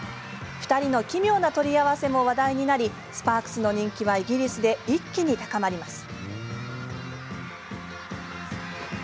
２人の奇妙な取り合わせも話題になりスパークスの人気はイギリスで一気に高まります。